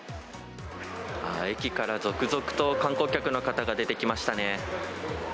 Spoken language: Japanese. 駅から続々と観光客の方が出てきましたね。